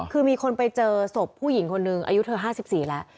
คือมีคนไปเจอศพผู้หญิงคนนึงอายุเธอ๕๔แล้ว